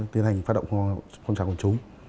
tiến hành phát động phong trào của chúng